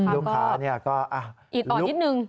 ลูกค้าก็อิดอ่อนนิดนึง